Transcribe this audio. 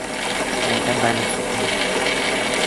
Denk an deine Zukunft!